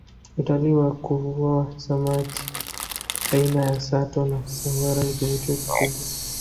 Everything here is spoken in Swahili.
utalii wa kuvua samaki aina ya sato na sangara ni kivutio kikubwa